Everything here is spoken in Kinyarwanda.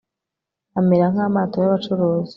amera nk'amato y'abacuruzi